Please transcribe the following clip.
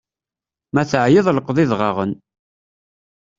Ma teεyiḍ lqeḍ idɣaɣen!